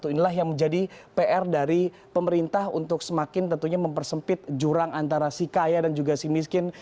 inilah yang menjadi pr dari pemerintah untuk semakin tentunya mempersempit jurang antara si kaya dan juga si miskin